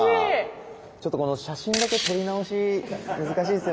ちょっとこの写真だけ撮り直し難しいですよね。